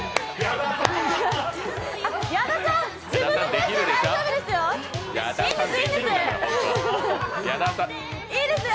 矢田さん、自分のペースで大丈夫ですよ。